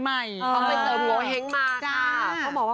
เขาไปเติมโงเห้งมาค่ะ